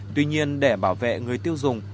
tuy nhiên để bảo vệ người tiêu dùng